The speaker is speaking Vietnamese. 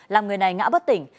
làm người này ngã bất tỉnh